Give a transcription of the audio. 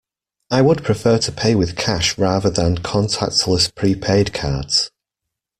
I would prefer to pay with cash rather than contactless prepaid cards.